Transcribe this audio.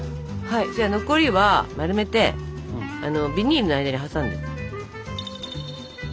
残りは丸めてビニールの間に挟んで。